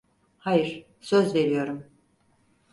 Hayır, söz veriyorum.